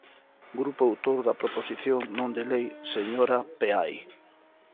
Grupo autor da proposición non de lei, señora Peai.